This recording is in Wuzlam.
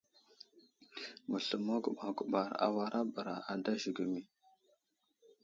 Məsləmo guɓar guɓar awara bəra ada zəgəmi.